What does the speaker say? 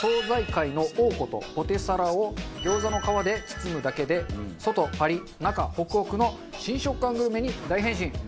界の王ことポテサラを餃子の皮で包むだけで外パリッ中ホクホクの新食感グルメに大変身。